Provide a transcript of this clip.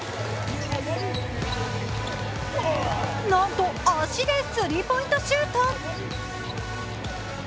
なんと足でスリーポイントシュート。